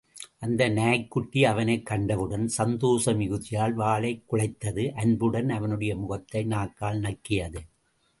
அந்த நாய்க் குட்டி அவனைக் கண்டவுடன் சந்தோஷ மிகுதியால் வாலைக் குழைத்தது அன்புடன் அவனுடைய முகத்தை நாக்கால் நக்கியது.